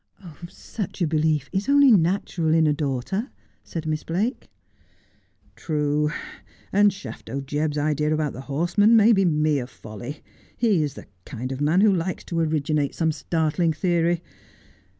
' Such a belief is only natural in a daughter,' said Miss Blake. ' True ; and Shaf to Jebb's idea about the horseman may be mere folly. He is the kind of man who likes to originate some startling theory.